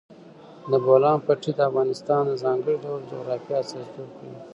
د بولان پټي د افغانستان د ځانګړي ډول جغرافیه استازیتوب کوي.